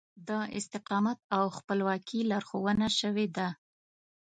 د استقامت او خپلواکي لارښوونه شوې ده.